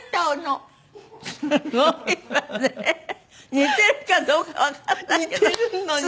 似てるかどうかわかんないけど。